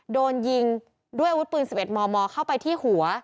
โดนยิงด้วยอาวุธปืน๑๑มมเข้าไปที่หัว